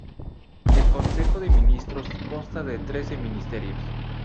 El Consejo de Ministros consta de trece ministerios.